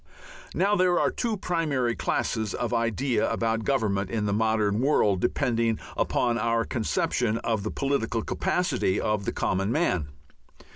Now there are two primary classes of idea about government in the modern world depending upon our conception of the political capacity of the common man.